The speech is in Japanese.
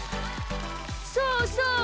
そうそう！